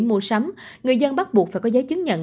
mua sắm người dân bắt buộc phải có giấy chứng nhận